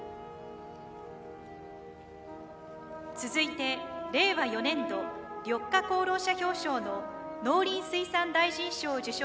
続いて令和４年度緑化功労者表彰の農林水産大臣賞を受賞された３名です。